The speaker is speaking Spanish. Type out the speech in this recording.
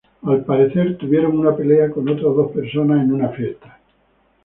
Al parecer tuvieron una pelea con otras dos personas en una fiesta.